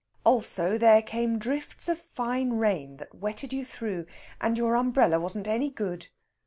Also there came drifts of fine rain that wetted you through, and your umbrella wasn't any good.